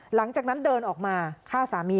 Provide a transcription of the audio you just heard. หลังจากนั้นเดินออกมาฆ่าสามี